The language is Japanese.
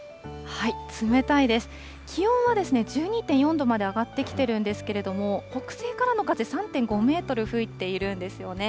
気温は１２．４度まで上がってきてるんですけれども、北西からの風３．５メートル吹いているんですよね。